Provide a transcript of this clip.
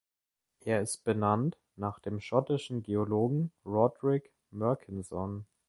Er ist benannt nach dem schottischen Geologen Roderick Murchison.